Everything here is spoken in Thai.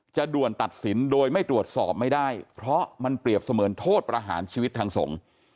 ด่วนตัดสินโดยไม่ตรวจสอบไม่ได้เพราะมันเปรียบเสมือนโทษประหารชีวิตทางสงฆ์